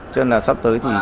cho nên là sắp tới thì